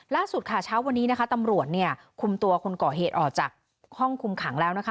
ล่าสุดค่ะเช้าวันนี้นะคะตำรวจเนี่ยคุมตัวคนก่อเหตุออกจากห้องคุมขังแล้วนะคะ